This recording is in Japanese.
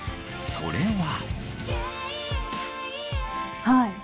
それは。